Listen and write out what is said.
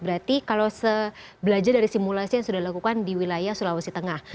berarti kalau belajar dari simulasi yang sudah dilakukan di wilayah sulawesi tengah